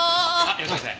いらっしゃいませ。